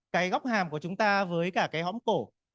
cái góc hàm của chúng ta với cả cái hóm cổ